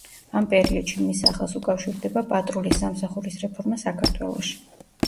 ამ პერიოდში მის სახელს უკავშირდება პატრულის სამსახურის რეფორმა საქართველოში.